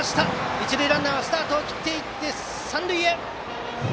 一塁ランナーはスタートを切って三塁へ！